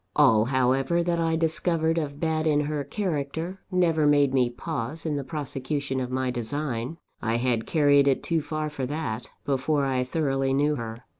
"All, however, that I discovered of bad in her character, never made me pause in the prosecution of my design; I had carried it too far for that, before I thoroughly knew her.